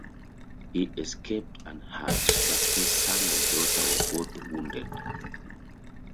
He escaped unhurt but his son and daughter were both wounded.